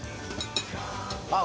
あっ。